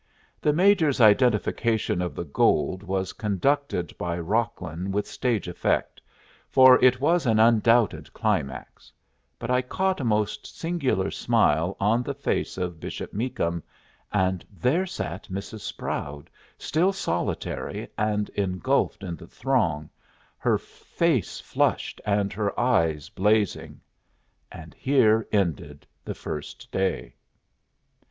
The Major's identification of the gold was conducted by Rocklin with stage effect, for it was an undoubted climax; but I caught a most singular smile on the face of Bishop Meakum, and there sat Mrs. Sproud, still solitary and engulfed in the throng, her face flushed and her eyes blazing. And here ended the first day.